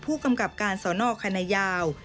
ผู้กำกับการสอนอคณะยาว